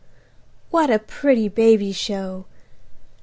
What a pretty baby show!